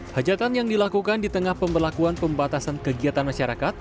hajatan yang dilakukan di tengah pemberlakuan pembatasan kegiatan masyarakat